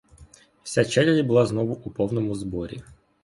Вся челядь була знову у повному зборі.